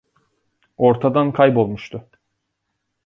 Ortadan kaybolmuştu.